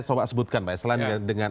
coba sebutkan pak ya selain dengan